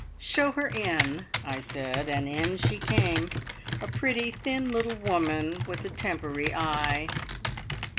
"Show her in!" I said, and in she came a pretty, thin, little woman, with a tempery eye.